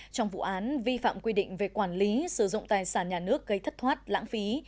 trong vụ án vi phạm quy định về quản lý sử dụng tài sản nhà nước gây thất thoát lãng phí